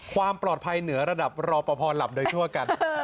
ความปลอดภัยเหนือระดับรอปภหลับโดยทั่วกัน